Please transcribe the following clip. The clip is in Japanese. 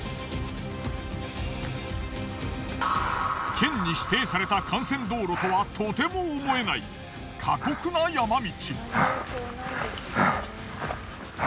県に指定された幹線道路とはとても思えない過酷な山道。